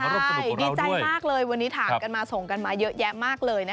ดีใจมากเลยวันนี้ถามคุณมาส่งมาเยอะแยะมากเลย